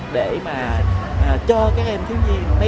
để cho các em thiếu nhi